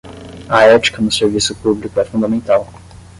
A ética no serviço público é fundamental